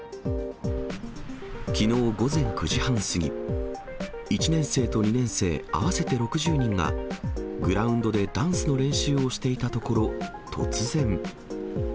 きのう午前９時半過ぎ、１年生と２年生合わせて６０人が、グラウンドでダンスの練習をしていたところ、突然。